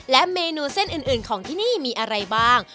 และเมนูเส้นอื่นของที่นี่มีอะไรบ้าง